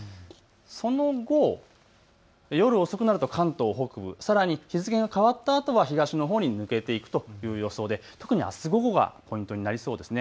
その後、夜遅くなると関東北部、さらに日付が変わったあとは東のほうに抜けていくという予想で特にあす午後がポイントになりそうです。